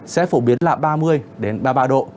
sẽ phổ biến là ba mươi ba mươi ba độ